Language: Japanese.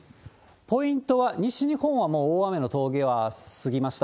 ポイントは西日本はもう大雨の峠は過ぎました。